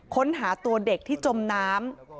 ค้นหาตัวเด็กที่จมน้ำ